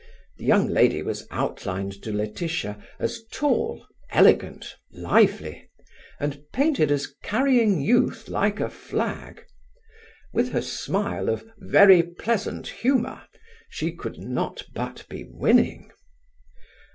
The young lady was outlined to Laetitia as tall, elegant, lively; and painted as carrying youth like a flag. With her smile of "very pleasant humour", she could not but be winning.